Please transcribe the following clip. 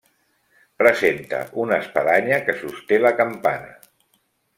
Presenta una espadanya que sosté la campana.